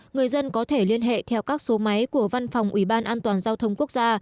người dân có thể liên hệ theo các số máy của văn phòng ủy ban an toàn giao thông quốc gia